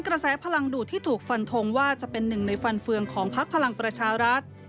กระแสพลังดูดที่ถูกฟันทงว่าจะเป็นหนึ่งในฟันเฟืองของพักพลังประชารัฐ